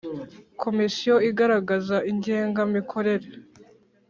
Komisiyo igaragaza ingenga mikorere.